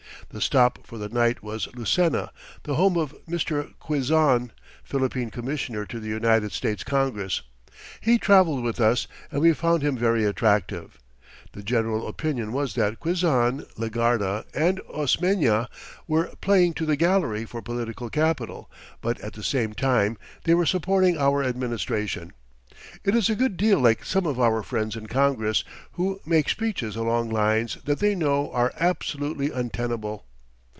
The stop for the night was Lucena, the home of Mr. Quezon, Philippine Commissioner to the United States Congress. He traveled with us, and we found him very attractive. The general opinion was that Quezon, Legarda, and Osmeña were "playing to the gallery" for political capital, but at the same time they were supporting our administration. It is a good deal like some of our friends in Congress, who make speeches along lines that they know are absolutely untenable.